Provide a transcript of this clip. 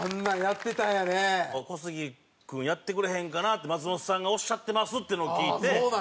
「“小杉君やってくれへんかな”って松本さんがおっしゃってます」っていうのを聞いて。